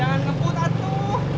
jangan ngeput atuh